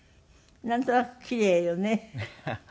なんとなくキレイよね。